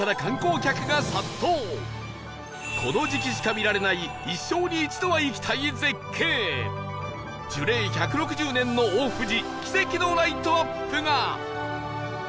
この時期しか見られない一生に一度は行きたい絶景樹齢１６０年の大藤奇跡のライトアップが！